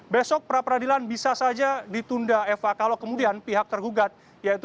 besok pra peradilan bisa saja ditunda eva kalau kemudian pihak tergugat